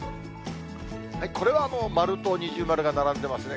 これはもう、丸と二重丸が並んでますね。